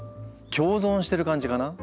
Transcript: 共存してる感じかな。